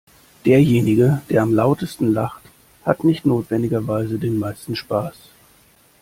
Derjenige, der am lautesten lacht, hat nicht notwendigerweise den meisten Spaß.